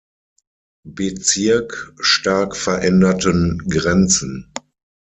Bezirk stark veränderten Grenzen.